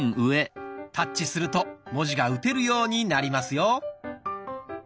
タッチすると文字が打てるようになりますよ。